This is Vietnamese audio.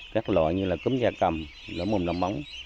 các loại như cúm giá cầm lỗ mồm lòng bóng